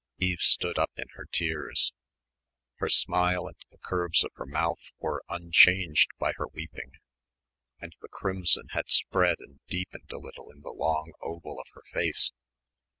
Eve stood up in her tears. Her smile and the curves of her mouth were unchanged by her weeping, and the crimson had spread and deepened a little in the long oval of her face.